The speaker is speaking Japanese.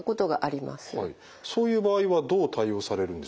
そういう場合はどう対応されるんでしょう？